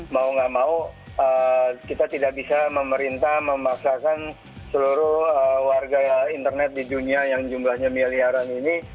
mau nggak mau kita tidak bisa memerintah memaksakan seluruh warga internet di dunia yang jumlahnya miliaran ini